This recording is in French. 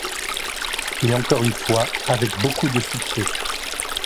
Et encore une fois avec beaucoup de succès.